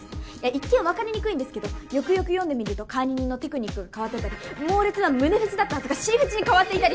一見わかりにくいんですけどよくよく読んでみると管理人のテクニックが変わってたり猛烈な胸フェチだったはずが尻フェチに変わっていたり。